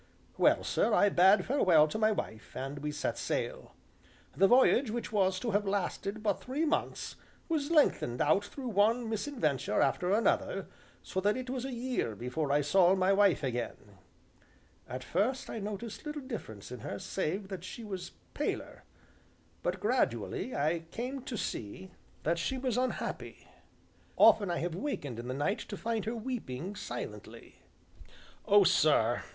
Well, sir, I bade farewell to my wife, and we set sail. The voyage, which was to have lasted but three months, was lengthened out through one misadventure after another, so that it was a year before I saw my wife again, At first I noticed little difference in her save that she was paler, but, gradually, I came to see that she was unhappy. Often I have wakened in the night to find her weeping silently. "Oh, sir!"